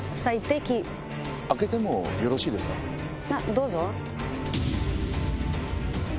どうぞ。